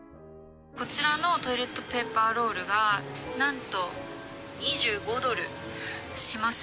こちらのトイレットペーパーロールがなんと２５ドルしますね。